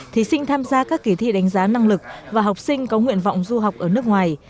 thí sinh tham gia các kỳ thi đánh giá năng lực và học sinh có nguyện vọng du học ở nước ngoài